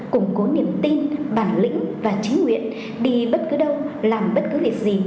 củng cố niềm tin bản lĩnh và trí nguyện đi bất cứ đâu làm bất cứ việc gì